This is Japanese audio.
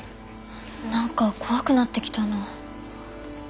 何か怖くなってきたな。